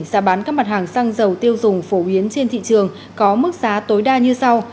giá bán các mặt hàng xăng dầu tiêu dùng phổ biến trên thị trường có mức giá tối đa như sau